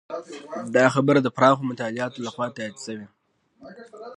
دا خبره د پراخو مطالعاتو لخوا تایید شوې.